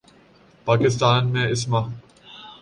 پاکستان میں اسما